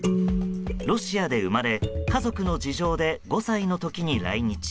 ロシアで生まれ家族の事情で５歳の時に来日。